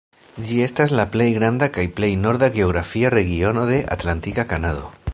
Ĝi estas la plej granda kaj plej norda geografia regiono de Atlantika Kanado.